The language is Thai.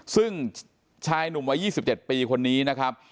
ซึ่งชายหนุ่มวัย๒๗ปีคนนี้นะครับ